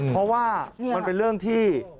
เพราะว่ามันเป็นเรื่องที่